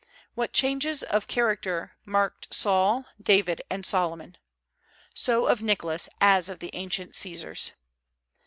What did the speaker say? What changes of character marked Saul, David, and Solomon! So of Nicholas, as of the ancient Caesars.